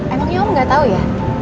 emangnya om gak tau ya